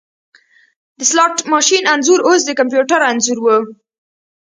د سلاټ ماشین انځور اوس د کمپیوټر انځور و